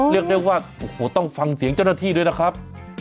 เรียกได้ว่าโอ้โหต้องฟังเสียงเจ้าหน้าที่ด้วยนะครับ